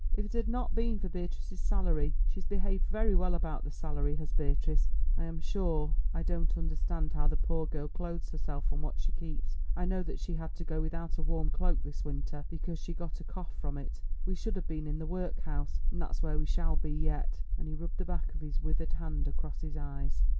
If it had not been for Beatrice's salary—she's behaved very well about the salary, has Beatrice—I am sure I don't understand how the poor girl clothes herself on what she keeps; I know that she had to go without a warm cloak this winter, because she got a cough from it—we should have been in the workhouse, and that's where we shall be yet," and he rubbed the back of his withered hand across his eyes.